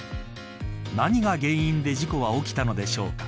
何が原因で事故は起きたのでしょうか。